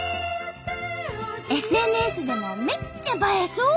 ＳＮＳでもめっちゃ映えそう！